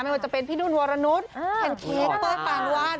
มันจะเป็นพี่นุ่นวรณุแพนเคกเบอร์ปาลวาส